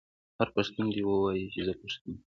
هر پښتون دې ووايي چې زه پښتو یم.